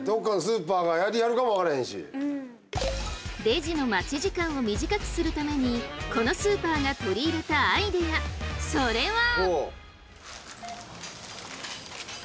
レジの待ち時間を短くするためにこのスーパーが取り入れたアイデアそれは。